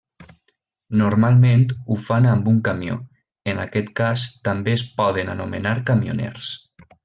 Normalment ho fan amb un camió, en aquest cas també es poden anomenar camioners.